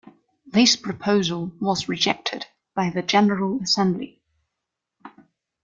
This proposal was rejected by the General Assembly.